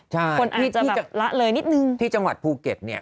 ใช่คนที่จะละเลยนิดนึงที่จังหวัดภูเก็ตเนี่ย